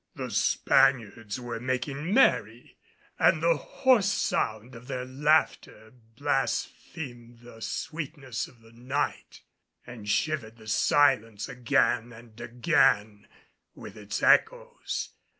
The Spaniards were making merry, and the hoarse sound of their laughter blasphemed the sweetness of the night, and shivered the silence again and again with its echoes.